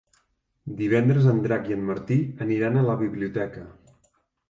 Divendres en Drac i en Martí aniran a la biblioteca.